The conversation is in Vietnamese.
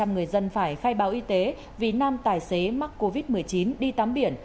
một trăm linh người dân phải khai báo y tế vì nam tài xế mắc covid một mươi chín đi tắm biển